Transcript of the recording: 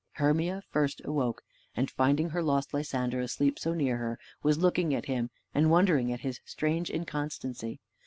Hermia first awoke, and finding her lost Lysander asleep so near her, was looking at him and wondering at his strange inconstancy.